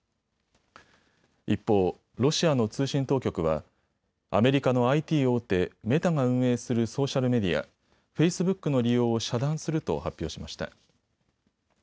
一方、ロシアの通信当局はアメリカのＩＴ大手、メタが運営するソーシャルメディア、フェイスブックの利用を遮断すると発表しました。